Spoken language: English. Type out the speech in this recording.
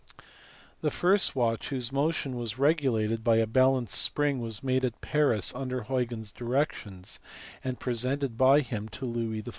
The first watch whose motion was regulated by a balance spring was made at Paris under Huygens s directions, and presented by him to Louis XIV.